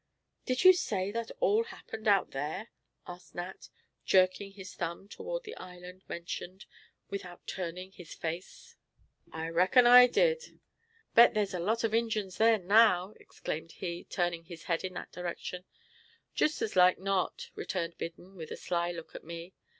"Did you say that all happened out there?" asked Nat, jerking his thumb toward the island mentioned, without turning his face. "I reckon I did." "Bet there's a lot of Injins there now!" exclaimed he, turning his head in that direction. "Jist as like as not," returned Biddon, with a sly look at me.